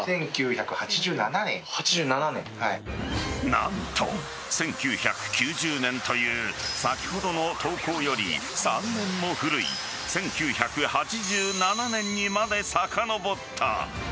何と、１９９０年という先ほどの投稿より３年も古い１９８７年にまでさかのぼった。